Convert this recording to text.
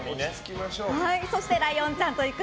そしてライオンちゃんと行く！